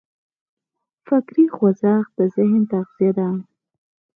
فکري خوځښت د ذهن تغذیه ده.